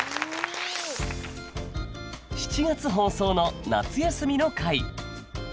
７月放送の「夏休」の回。